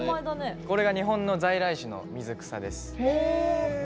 これが日本の在来種の水草です。